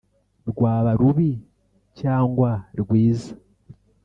rwaba rubi cyangwa rwiza